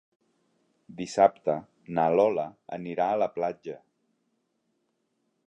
Dissabte na Lola anirà a la platja.